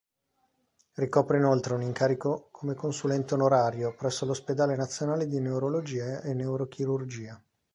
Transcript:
Ricopre inoltre un incarico come consulente onorario presso l'Ospedale Nazionale di Neurologia e Neurochirurgia.